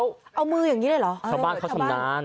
อู้หูคุณเอามืออย่างงี้เลยเหรอเข้าบ้านเข้าสำนาน